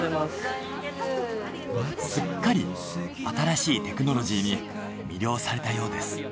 すっかり新しいテクノロジーに魅了されたようです。